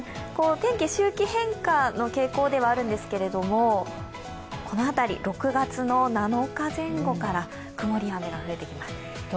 天気、周期変化の天候ではあるんですけど、この辺り、６月の７日前後から曇り雨が増えてきます。